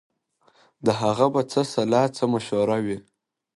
د هغه به څه سلا څه مشوره وي